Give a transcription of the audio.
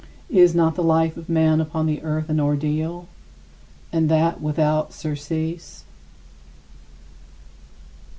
Is not the life of man upon the earth an ordeal, and that without surcease?